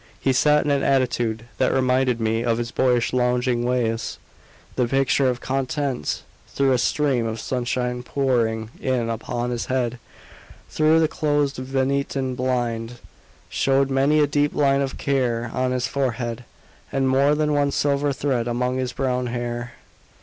He sat in an attitude that reminded me of his boyish lounging ways; the picture of content; though a stream of sunshine pouring in upon his head, through the closed Venetian blind, showed many a deep line of care on his forehead, and more than one silver thread among his brown hair.